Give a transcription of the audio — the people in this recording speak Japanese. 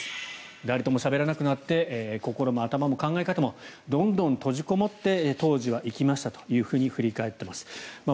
誰ともしゃべらなくなって心も頭も考え方もどんどん閉じ籠もって当時は行きましたと振り返っています。